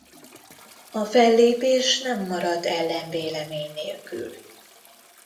A fellépés nem maradt ellenvélemény nélkül.